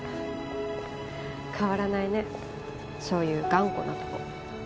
変わらないねそういう頑固なとこ。